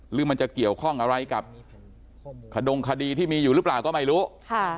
หรือมันจะเกี่ยวข้องอะไรกับขดงคดีที่มีอยู่หรือเปล่าก็ไม่รู้ค่ะ